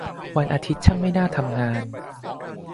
วันอาทิตย์ช่างไม่ทำงาน